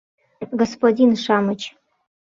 Господин-шамыч!